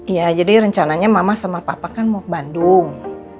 iya jadi rencananya mama sama papa kan mau ke bandung